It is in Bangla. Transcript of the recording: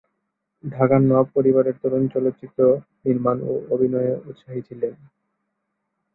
ঢাকার নওয়াব পরিবারের তরুণরা চলচ্চিত্র নির্মাণ ও অভিনয়ে উৎসাহী ছিলেন।